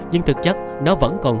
nhưng thực chất nó vẫn còn